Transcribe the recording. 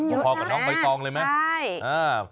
พอกับน้องใบตองเลยไหม